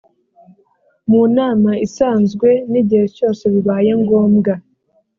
mu nama isanzwe n igihe cyose bibaye ngombwa